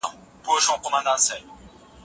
موږ پرون خپله پرېکړه اعلان کړه.